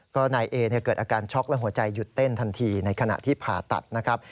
ก็นายเอเกิดอาการช็อกและหัวใจหยุดเต้นทันทีในขณะที่ผ่าตัดนะครับ